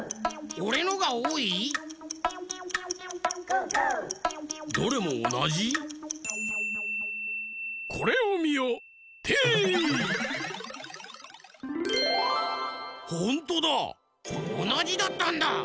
おなじだったんだ。